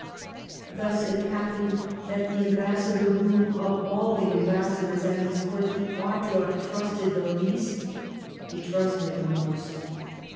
Thus it happened that the ambassador whom of all the ambassadors at his Court he ought to have trusted the least, he trusted the most.